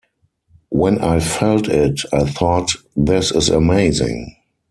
When I felt it, I thought 'This is amazing.